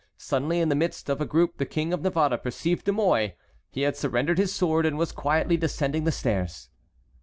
Suddenly in the midst of a group the King of Navarre perceived De Mouy. He had surrendered his sword and was quietly descending the stairs.